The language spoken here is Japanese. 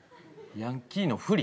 ヤンキーのふり？